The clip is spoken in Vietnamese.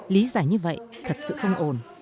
lý giải như vậy thật sự không ổn